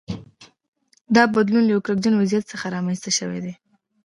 دا بدلون له یوه کړکېچن وضعیت څخه رامنځته شوی دی